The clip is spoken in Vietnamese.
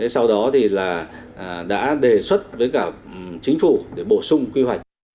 sau đó đã đề xuất với cả chính phủ để bổ sung quy hoạch